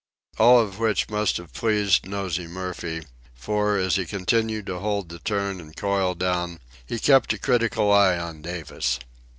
All of which must have pleased Nosey Murphy, for, as he continued to hold the turn and coil down, he kept a critical eye on Davis.